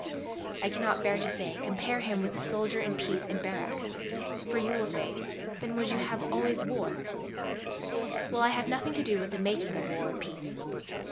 I cannot bear to say: Compare him with the soldier in peace in barracks; for you will say, Then would you always have war? Well, I have nothing to do with the making of war or peace.